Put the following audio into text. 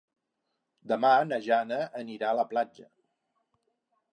Demà na Jana anirà a la platja.